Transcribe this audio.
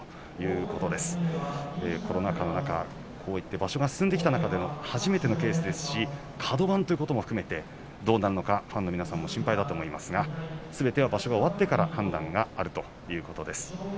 コロナ禍の中場所が進んできてからの初めてのケースですしカド番ということも含めてどうなるかファンの皆さんも心配だと思いますがすべては場所が終わってから判断があるということです。